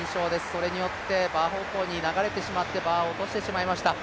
それによってバー方向に流れてしまって、バーを落としてしまいました。